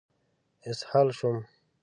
اسهال شوم.